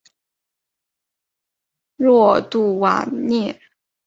若杜瓦涅。